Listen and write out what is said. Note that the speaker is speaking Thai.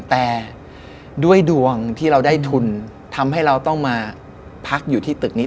แต่ด้วยดวงที่เราได้ทุนทำให้เราต้องมาพักอยู่ที่ตึกนี้